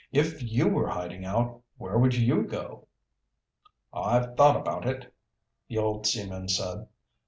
If you were hiding out, where would you go?" "I've thought about it," the old seaman said.